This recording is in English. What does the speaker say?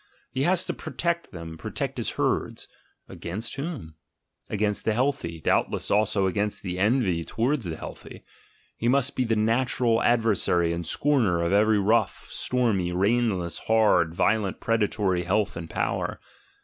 He has to protect them, protect his herds — against whom? Against the healthy, doubtless also against the ASCETIC IDEALS 133 envy towards the healthy. He must be the natural ad versary and scorner of every rough, stormy, reinless, hard, violently predatory health and power.